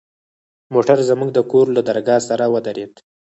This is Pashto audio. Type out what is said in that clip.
موټر زموږ د کور له درگاه سره ودرېد.